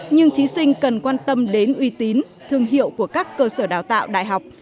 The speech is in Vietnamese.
nhưng thí sinh cần quan tâm đến uy tín thương hiệu của các cơ sở đào tạo đại học